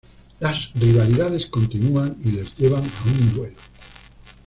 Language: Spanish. Las rivalidades continúan y les llevan a un duelo.